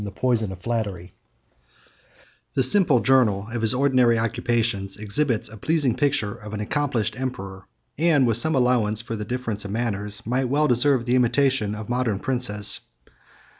] The simple journal of his ordinary occupations exhibits a pleasing picture of an accomplished emperor, 69 and, with some allowance for the difference of manners, might well deserve the imitation of modern princes.